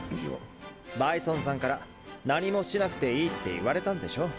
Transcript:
バイソンさんから何もしなくていいって言われたんでしょ。